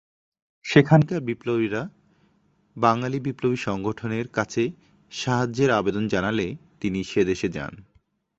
সেখানকার বিপ্লবীরা বাঙালি বিপ্লবী সংগঠনের কাছে সাহায্যের আবেদন জানালে তিনি সেদেশে যান।